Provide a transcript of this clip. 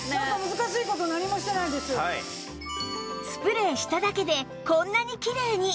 スプレーしただけでこんなにきれいに！